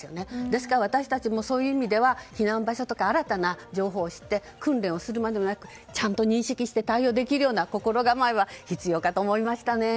ですから私たちもそういう意味で避難場所とか新たな情報を知って訓練をするまでもなくちゃんと認識して対応できる心構えは必要かと思いましたね。